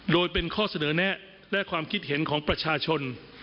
โดยเป็นข้อเสนอแนะและความคิดเห็นของประชาชน